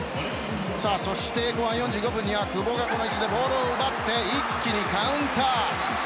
そして後半４５分には久保がボールを奪って一気にカウンター！